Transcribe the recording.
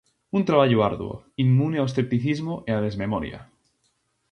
Un traballo arduo, inmune ao escepticismo e a desmemoria.